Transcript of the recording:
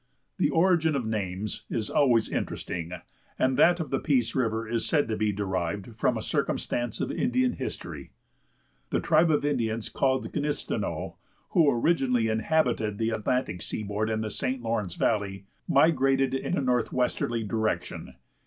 The origin of names is always interesting, and that of the Peace River is said to be derived from a circumstance of Indian history. The tribe of Indians called the Knisteneux, who originally inhabited the Atlantic seaboard and the St. Lawrence valley, migrated in a northwesterly direction.